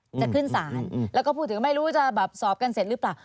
จะขึ้นศาลแล้วก็พูดถึงไม่รู้จะแบบสอบกันเสร็จหรือเปล่า